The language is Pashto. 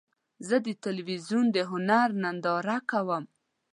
زه د تلویزیون د هنر ننداره کوم.